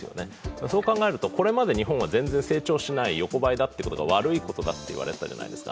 そう考えると、これまで日本は全然成長しない、横ばいが悪いことだと言われていたじゃないですか。